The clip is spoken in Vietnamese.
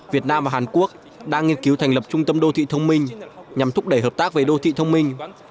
việt nam và hàn quốc đang nghiên cứu thành lập trung tâm đô thị thông minh nhằm thúc đẩy hợp tác về đô thị thông minh